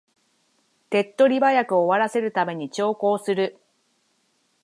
手っ取り早く終わらせるために長考する